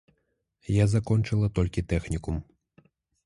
Я закончыла толькі тэхнікум.